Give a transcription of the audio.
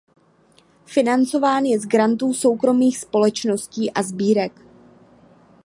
Financován je z grantů soukromých společností a sbírek.